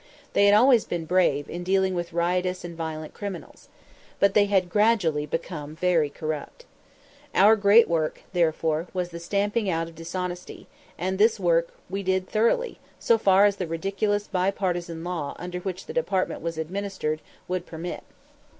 They had always been brave in dealing with riotous and violent criminals. But they had gradually become very corrupt. Our great work, therefore, was the stamping out of dishonesty, and this work we did thoroughly, so far as the ridiculous bi partisan law under which the Department was administered would permit.